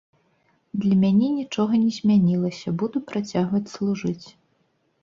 Для мяне нічога не змянілася, буду працягваць служыць.